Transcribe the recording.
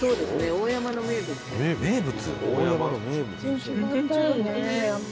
大山の名物？